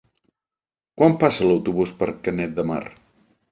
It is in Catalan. Quan passa l'autobús per Canet de Mar?